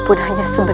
tidak ada kesalahan